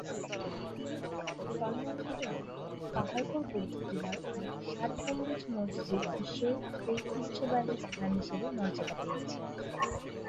তন্মধ্যে পাহাড়পুর বৌদ্ধ বিহার ও ষাট গম্বুজ মসজিদ বিশ্ব ঐতিহ্যবাহী স্থান হিসেবে মর্যাদা পেয়েছে।